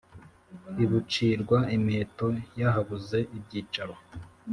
i bucirwa-miheto yahabuze ibyicaro,